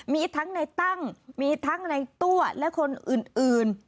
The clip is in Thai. มีทั้งในตั้งมีทั้งในตัวและคนอื่น